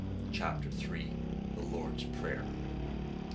CHAPTER THREE. THE LORD'S PRAYER.